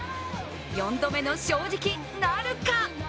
４度目の正直なるか？